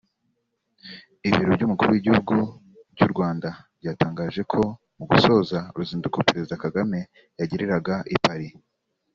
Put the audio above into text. ibiro by’umukuru w’igihugu cy’u Rwanda byatangaje ko mu gusoza uruzinduko Perezida Kagame yagiriraga i Paris